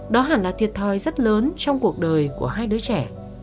đó hẳn là thiệt thòi rất lớn trong cuộc đời của hai đứa trẻ